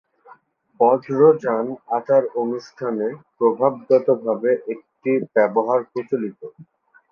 বজ্রযান আচার-অনুষ্ঠানে প্রথাগতভাবে এটির ব্যবহার প্রচলিত।